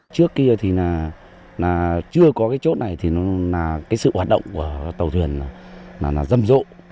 trước kia thì là chưa có cái chốt này thì nó là cái sự hoạt động của tàu thuyền là dâm dỗ